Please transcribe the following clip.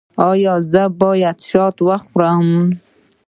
ایا زه باید شات وخورم؟